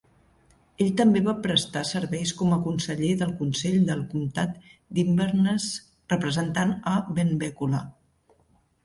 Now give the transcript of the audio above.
Ell també va prestar serveis com a conseller del Consell del Comtat d'Inverness, representant a Benbecula.